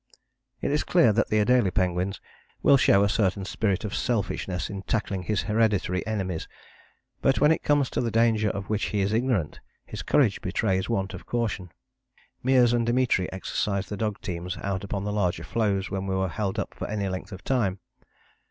" It is clear then that the Adélie penguin will show a certain spirit of selfishness in tackling his hereditary enemies. But when it comes to the danger of which he is ignorant his courage betrays want of caution. Meares and Dimitri exercised the dog teams out upon the larger floes when we were held up for any length of time.